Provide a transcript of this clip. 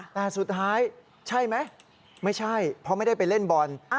แต่สุดท้ายใช่ไหมไม่ใช่เพราะไม่ได้ไปเล่นบอล